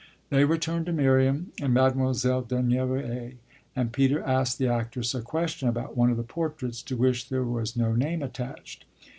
They returned to Miriam and Mademoiselle Dunoyer, and Peter asked the actress a question about one of the portraits to which there was no name attached.